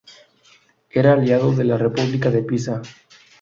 Era aliado de la república de Pisa.